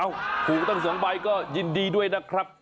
ถูกตั้ง๒ใบก็ยินดีด้วยนะครับ